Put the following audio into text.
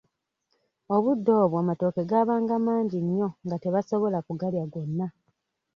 Obudde obwo amatooke gaabanga mangi nnyo nga tebasobola kugalya gonna.